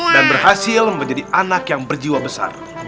dan berhasil menjadi anak yang berjiwa besar